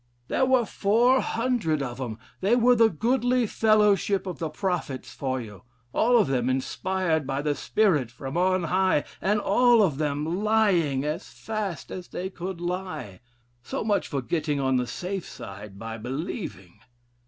There were 400 of 'em; they were 'the goodly fellowship of the prophets for you; all of them inspired by the spirit from on high, and all of them lying as fast as they could lie.' So much for getting on the safe side by believing.